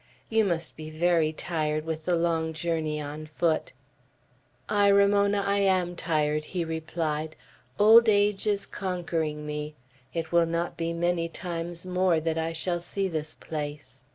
"You must be very tired with the long journey on foot." "Ay, Ramona, I am tired," he replied. "Old age is conquering me. It will not be many times more that I shall see this place."